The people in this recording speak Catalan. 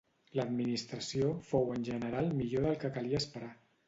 L'administració fou en general millor del que calia esperar.